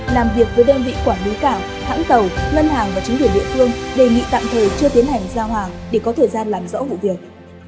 làm việc với đơn vị quản lý cảng hãng tàu ngân hàng và chính quyền địa phương đề nghị tạm thời chưa tiến hành giao hàng để có thời gian làm rõ vụ việc